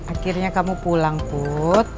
akhirnya kamu pulang put